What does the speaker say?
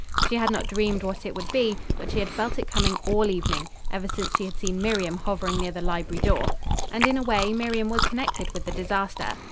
She had not dreamed what it would be, but she had felt it coming all evening, ever since she had seen Miriam hovering near the library door. And, in a way, Miriam was connected with the disaster.